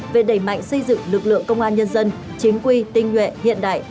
về đẩy mạnh xây dựng lực lượng công an nhân dân chính quy tinh nhuệ hiện đại